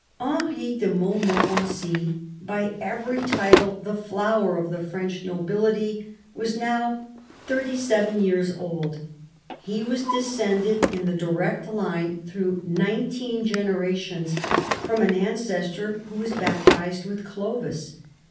Henry de Montmorency, by every title the flower of the French nobility, was now thirty seven years old. He was descended in the direct line, through nineteen genera tions, from an ancestor who was baptized with Clovis.